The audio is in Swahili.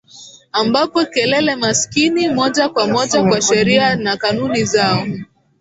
ambapo kelele maskini moja kwa moja kwa sheria na kanuni zao